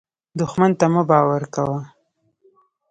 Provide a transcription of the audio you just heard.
دښمن ته مه باور کوه